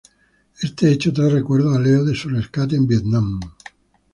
Este hecho trae recuerdos a Leo de su rescate en Vietnam.